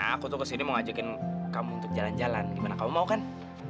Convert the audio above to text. aku tuh kesini mau ngajakin kamu untuk jalan jalan gimana kamu mau kan